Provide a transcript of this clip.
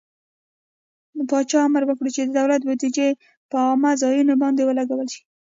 پاچا امر وکړ چې د دولت بودجې د په عامه ځايونو باندې ولګول شي.